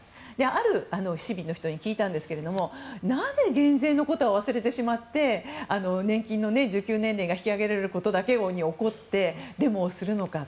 ある市民の人に聞いたんですがなぜ減税のことは忘れてしまって年金の受給年齢が引き上げられることだけに怒って、デモをするのか。